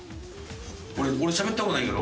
俺しゃべった事ないけど。